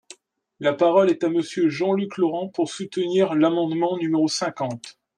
La parole est à Monsieur Jean-Luc Laurent, pour soutenir l’amendement numéro cinquante.